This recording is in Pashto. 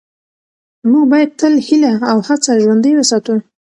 موږ باید تل هیله او هڅه ژوندۍ وساتو